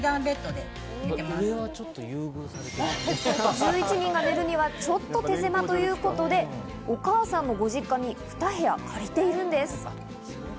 １１人が寝るにはちょっと手狭ということで、お母さんのご実家に２部屋借りているです。